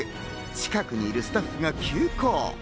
近くにいるスタッフが急行。